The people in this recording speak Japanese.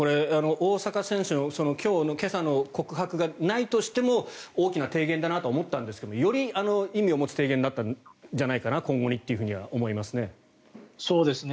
大坂選手の今朝の告白がないとしても大きな提言だなとは思ったんですがより意味を持つ提言になったんじゃないかな今後にと思いますね。